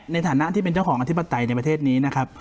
ในฐานะที่เป็นเจ้าของอธิปไตยในประเทศนี้นะครับ